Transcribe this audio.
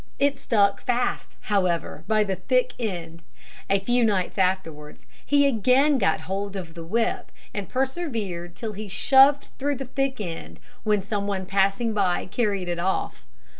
It stuck fast, however, by the thick end. A few nights afterwards he again got hold of the whip, and persevered till he shoved through the thick end, when some one passing by carried it off.